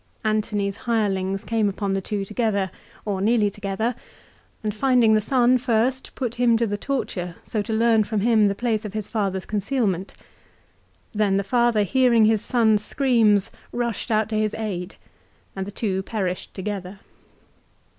Antony's hirelings came upon the two together, or nearly together, and, finding the son first, put him to the torture, so to learn from him the place of his father's concealment. Then the father hearing his son's screams rushed out to his aid, and the two perished together.